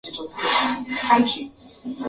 Weka mbolea kabla ya kuanda viazi lishe